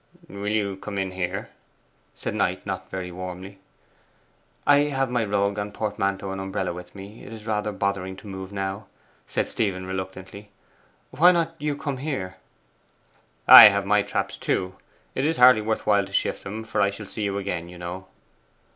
'Will you come in here?' said Knight, not very warmly. 'I have my rug and portmanteau and umbrella with me: it is rather bothering to move now,' said Stephen reluctantly. 'Why not you come here?' 'I have my traps too. It is hardly worth while to shift them, for I shall see you again, you know.